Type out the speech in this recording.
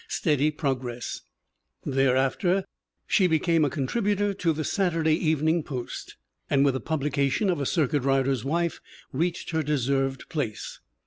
Steady progress, thereafter; she became a con tributor to the Saturday Evening Post and with the publication of A Circuit Rider's Wife reached her deserved place.